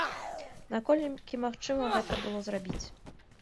Наколькі магчыма гэта было зрабіць?